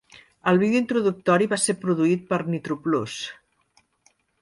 El vídeo introductori va se produït per Nitroplus.